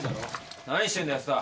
何してんだ安田。